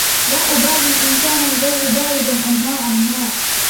لا أبالي إن كان الجو باردا نوعا ما.